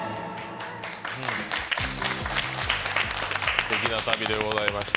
すてきな旅でございました。